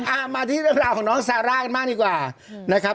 อ่ามาที่เรื่องราวของน้องซาร่ามากดีกว่า